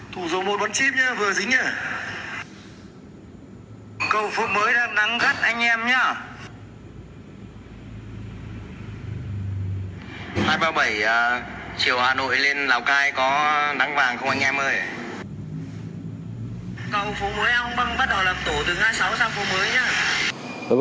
thủ dùng một vấn đề